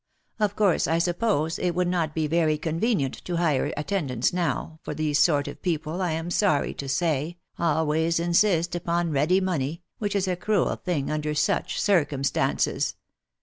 Of course I suppose it would not be very convenient to hire attendants now, for these sort of people, I am sorry to say, always insist upon ready money, which is a cruel thing under such circumstances.